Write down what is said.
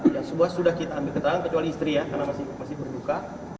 ya semua sudah kita ambil keterangan kecuali istri ya karena masih berduka